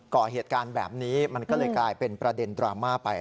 ่อเหตุการณ์แบบนี้มันก็เลยกลายเป็นประเด็นดราม่าไป